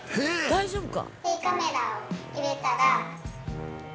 大丈夫か！